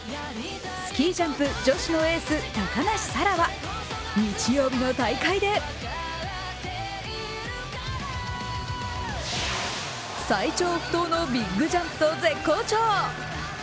スキージャンプ女子のエース高梨沙羅は日曜日の大会で最長不倒のビッグジャンプと絶好調。